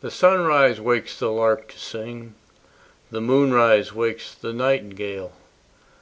The sunrise wakes the lark to sing, The moonrise wakes the nightingale.